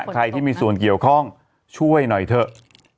ใครที่มีส่วนเกี่ยวข้องช่วยหน่อยเถอะ